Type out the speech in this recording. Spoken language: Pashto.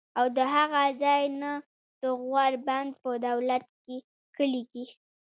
او د هغه ځائے نه د غور بند پۀ دولت کلي کښې